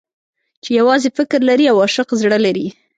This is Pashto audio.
چې يوازې فکر لري او عاشق زړه لري.